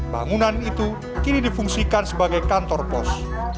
bangunan itu kini difungsikan sebagai kantor pos